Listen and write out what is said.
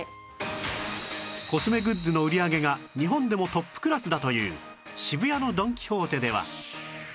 コスメグッズの売り上げが日本でもトップクラスだという渋谷のドン・キホーテでは